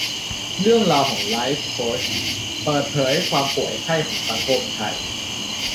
เรื่องราวของไลฟ์โค้ชเปิดเผยความป่วยไข้ของสังคมไทย